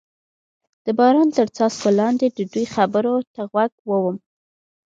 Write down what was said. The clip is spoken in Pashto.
د باران تر څاڅکو لاندې د دوی خبرو ته غوږ ووم.